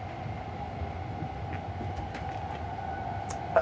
あ！